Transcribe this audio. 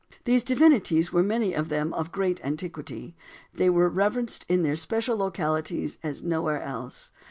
These divinities were many of them of great antiquity. They were reverenced in their special localities as nowhere else.